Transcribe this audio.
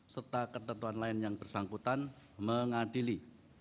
serta ketentuan lain yang bersangkutan mengadili